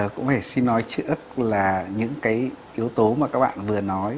cũng phải xin nói chuyện là những cái yếu tố mà các bạn vừa nói